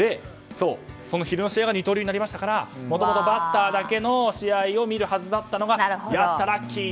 その昼の試合が二刀流になりましたからもともとバッターだけの試合を見るはずだったのがやった、ラッキー！